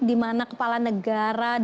di mana kepala negara